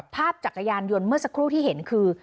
จักรยานยนต์เมื่อสักครู่ที่เห็นคือ